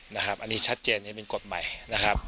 นะครับอันนี้ชัดเจนอันนี้เป็นกฎหมายนะครับ